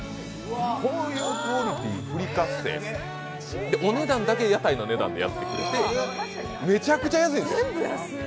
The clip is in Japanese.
こういうクオリティー、クリカッセお値段だけ屋台の値段でやってくれて、めちゃくちゃ安いですよ。